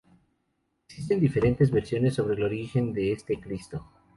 Existen diferentes versiones sobre el origen de este Cristo.